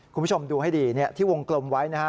คุณผู้ชมดูให้ดีที่วงกลมไว้นะฮะ